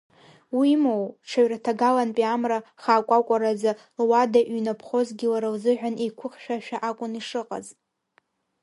Уимоу, ҽаҩраҭагалантәи амра хаакәакәараӡа луада иҩнаԥхозгьы лара лзыҳәан еиқәыхьшәашәа акәын ишыҟаз.